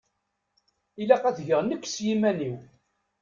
Ilaq ad t-geɣ nekk s yiman-iw.